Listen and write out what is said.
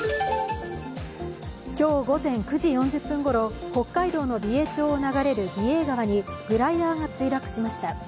今日午前９時４０分ごろ北海道の美瑛町を流れる美瑛川にグライダーが墜落しました。